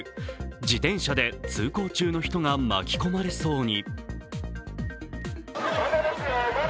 自転車で通行中の人が巻き込まれそうに。